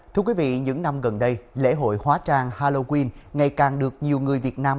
thưa quý vị những năm gần đây lễ hội hóa trang halloween ngày càng được nhiều người việt nam